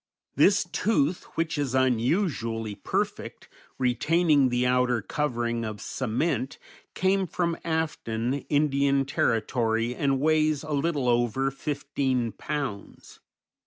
This tooth, which is unusually perfect, retaining the outer covering of cement, came from Afton, Indian Territory, and weighs a little over fifteen pounds.